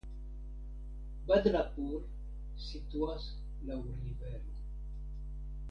Badlapur situas laŭ rivero.